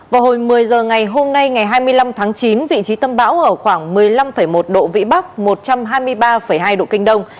vào hồi một mươi h ngày hôm nay ngày hai mươi năm tháng chín vị trí tâm bão ở khoảng một mươi năm một độ vĩ bắc một trăm hai mươi ba hai độ kinh đông